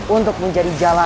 untuk menjadi jalan